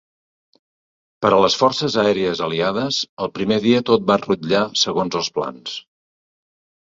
Per a les Forces Aèries Aliades, el primer dia tot va rutllar segons els plans.